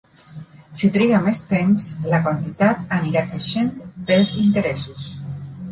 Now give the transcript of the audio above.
Si triga més temps, la quantitat anirà creixent pels interessos.